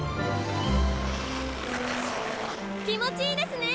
気持ちいいですね！